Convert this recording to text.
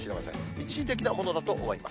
一時的なものだと思います。